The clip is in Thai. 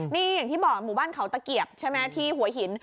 นี่อย่างที่บอกหมู่บ้านเขาตะเกียบใช่ไหมที่หัวหิน